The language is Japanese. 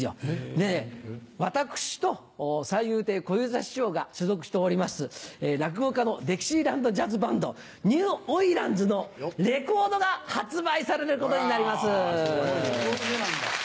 で私と三遊亭小遊三師匠が所属しております落語家のデキシーランドジャズバンド「にゅうおいらんず」のレコードが発売されることになります。